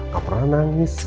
gak pernah nangis